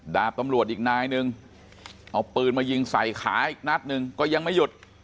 ดาบตำรวจอีกนายนึงเอาปืนมายิงใส่ขาอีกนัดหนึ่งก็ยังไม่หยุด